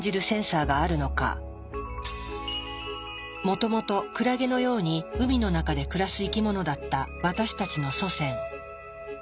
もともとクラゲのように海の中で暮らす生き物だった私たちの祖先。